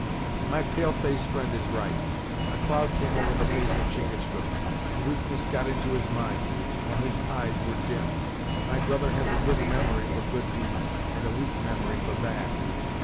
"My pale face friend is right. A cloud came over the face of Chingachgook, and weakness got into his mind, while his eyes were dim. My brother has a good memory for good deeds, and a weak memory for bad.